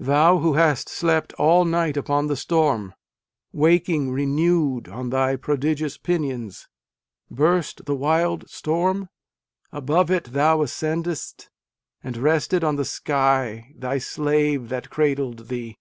Thou who hast slept all night upon the storm, Waking renewed on thy prodigious pinions, (Burst the wild storm ? above it thou ascended st, And rested on the sky, thy slave that . cradled thee